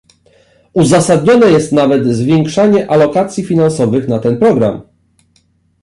Uzasadnione jest nawet zwiększenie alokacji finansowych na ten program